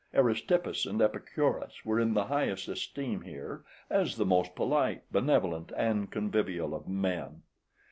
Aristippus and Epicurus were in the highest esteem here as the most polite, benevolent, and convivial of men.